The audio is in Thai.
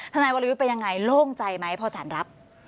นายวรยุทธ์เป็นยังไงโล่งใจไหมพอสารรับ